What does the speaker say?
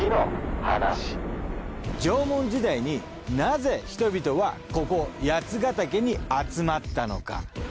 縄文時代になぜ人々はここ八ヶ岳に集まったのか。